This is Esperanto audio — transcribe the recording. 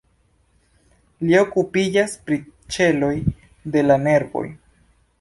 Li okupiĝas pri ĉeloj de la nervoj.